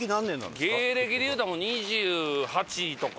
芸歴でいうたらもう２８とか。